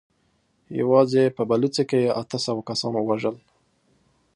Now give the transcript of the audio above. يواځې په بلوڅو کې يې اته سوه کسان ووژل.